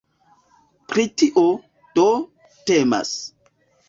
Pri tio, do, temas.